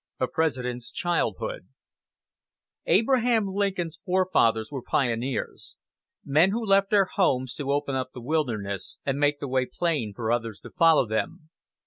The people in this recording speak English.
A PRESIDENT'S CHILDHOOD Abraham Lincoln's forefathers were pioneers men who left their homes to open up the wilderness and make the way plain for others to follow them.